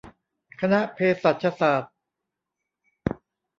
คณะเภสัชศาสตร์